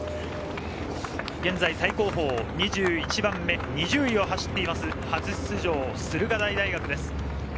最後方、２１番目に２０位を走っている初出場、駿河台大学です。